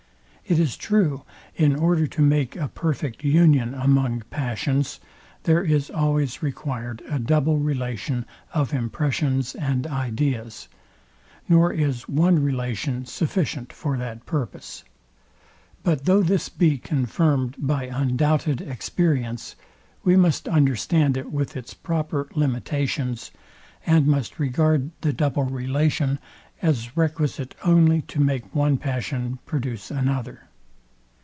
It is true; in order to make a perfect union among passions, there is always required a double relation of impressions and ideas; nor is one relation sufficient for that purpose. But though this be confirmed by undoubted experience, we must understand it with its proper limitations, and must regard the double relation, as requisite only to make one passion produce another.